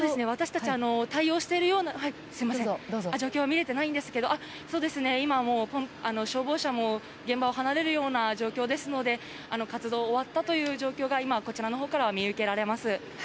私たち、対応している状況は見れていないんですけども今は消防車も現場を離れるような状況ですので活動が終わったという状況がこちらのほうからは見受けられます。